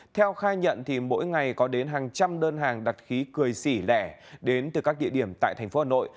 theo khai nhận mỗi ngày có đến hàng trăm đơn hàng đặt khí cười xỉ lẻ đến từ các địa điểm tại tp hà nội